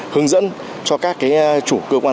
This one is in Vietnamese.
hướng dẫn cho các chủ cơ quan